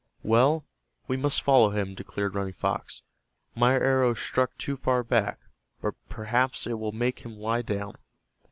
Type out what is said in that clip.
"Well, we must follow him," declared Running Fox. "My arrow struck too far back, but perhaps it will make him lie down."